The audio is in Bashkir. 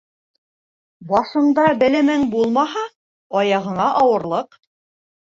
Башыңда белемең булмаһа, аяғыңа ауырлыҡ.